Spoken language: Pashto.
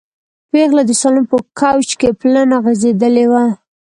پېغله د سالون په کوچ کې پلنه غځېدلې وه.